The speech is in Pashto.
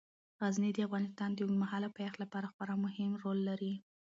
غزني د افغانستان د اوږدمهاله پایښت لپاره خورا مهم رول لري.